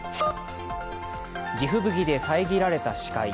地吹雪で遮られた視界。